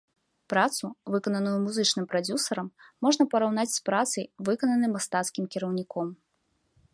Працу, выкананую музычным прадзюсарам, можна параўнаць з працай, выкананай мастацкім кіраўніком.